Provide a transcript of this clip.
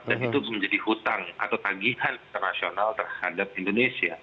dan itu menjadi hutang atau tagihan internasional terhadap indonesia